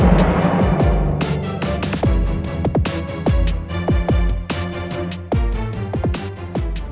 jadi untuk m meat grand paulice